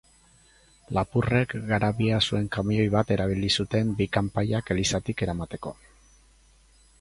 Lapurrek garabia zuen kamioi bat erabili zuten bi kanpaiak elizatik eramateko.